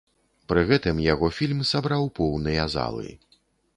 Пры гэтым яго фільм сабраў поўныя залы.